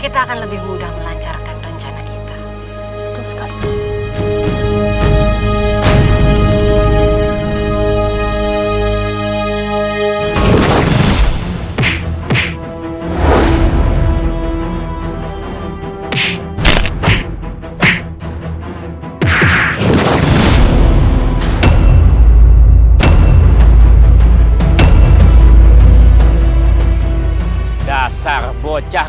kita akan lebih mudah melancarkan rencana kita